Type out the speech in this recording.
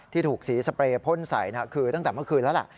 ที่ถูกสีสเปรย์พ่นใส่คือตั้งแต่เมื่อคืนแล้วล่ะ